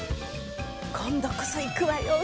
今度こそ行くわよ